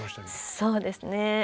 そうですね。